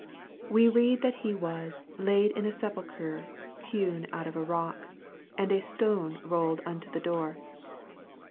We read that he was " laid in a sepulchre hewn out of a rock," and a " stone rolled unto the door."